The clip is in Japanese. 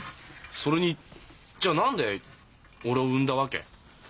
それにじゃあ何で俺を産んだわけ？